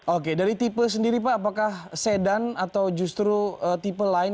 oke dari tipe sendiri pak apakah sedan atau justru tipe lain